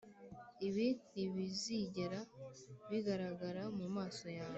ibi ntibizigera bigaragara mumaso yawe.